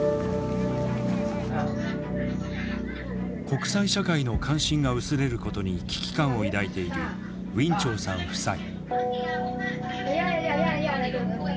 国際社会の関心が薄れることに危機感を抱いているウィン・チョウさん夫妻。